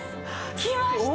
きました！